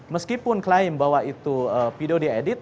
meskipun klaim bahwa video itu diedit